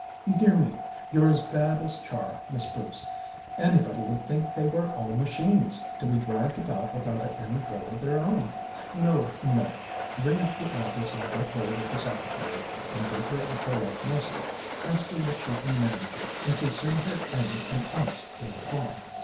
"Dear me, you're as bad as Char, Miss Bruce. Anybody would think they were all machines, to be dragged about without any will of their own. No, no! Ring up the office and get hold of the secretary, and give her a polite message, asking if she can manage it, if we send her in and out in the car."